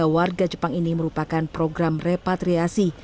warga jepang ini merupakan program repatriasi